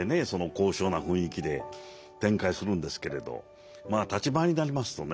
高尚な雰囲気で展開するんですけれどまあ立ち廻りになりますとね